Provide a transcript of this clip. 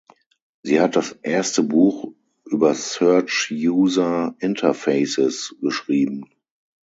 Sie hat das erste Buch über Search User Interfaces geschrieben.